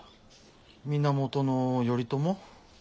源頼朝？